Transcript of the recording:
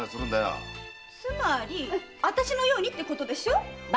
つまり私のようにってことでしょ？